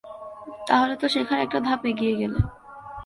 তাহলে তো শেখার একটা ধাপ এগিয়ে গেলে।